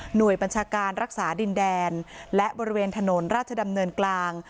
บัญชาการรักษาดินแดนและบริเวณถนนราชดำเนินกลาง